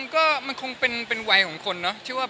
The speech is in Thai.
ก็มันคงเป็นวัยของคนเนอะ